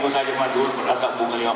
berubah ke dunia